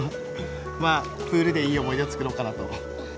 まあ、プールでいい思い出を作ろうかなと。